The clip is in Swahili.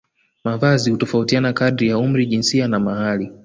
Mavazi hutofautiana kadiri ya umri jinsia na mahali